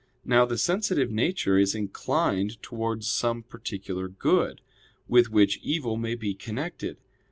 Now the sensitive nature is inclined towards some particular good, with which evil may be connected.